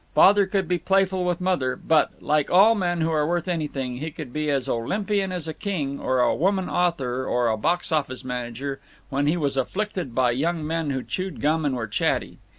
Father could be playful with Mother, but, like all men who are worth anything, he could be as Olympian as a king or a woman author or a box office manager when he was afflicted by young men who chewed gum and were chatty.